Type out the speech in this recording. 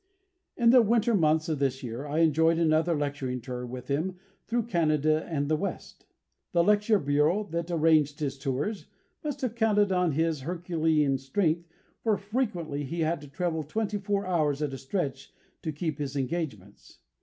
In the winter months of this year I enjoyed another lecturing tour with him through Canada and the West. The lecture bureau that arranged his tours must have counted on his herculean strength, for frequently he had to travel twenty four hours at a stretch to keep his engagements.